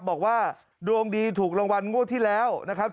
บอกว่าดวงดีถูกรางวัลงวดที่แล้วนะครับ